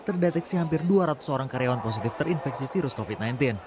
terdeteksi hampir dua ratus orang karyawan positif terinfeksi virus covid sembilan belas